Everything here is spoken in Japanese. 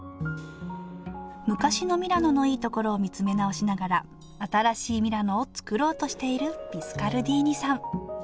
昔のミラノのいいところを見つめ直しながら新しいミラノをつくろうとしているビスカルディーニさん